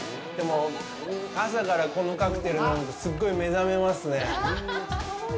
でも、朝からこのカクテル飲むと、すごい目覚めますね。